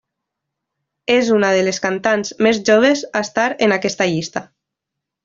És una de les cantants més joves a estar en aquesta llista.